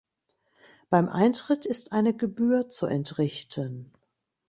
Beim Eintritt ist eine Gebühr zu entrichten.